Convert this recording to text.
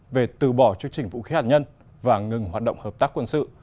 về từ bỏ chương trình vũ khí hạt nhân và ngừng hoạt động hợp tác quân sự